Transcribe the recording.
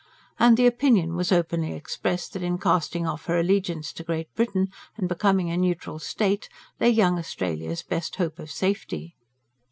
And the opinion was openly expressed that in casting off her allegiance to Great Britain, and becoming a neutral state, lay young Australia's best hope of safety.